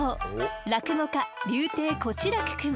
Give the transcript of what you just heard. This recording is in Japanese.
落語家柳亭小痴楽くん。